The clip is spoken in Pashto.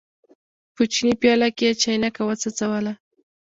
په چیني پیاله کې یې چاینکه وڅڅوله.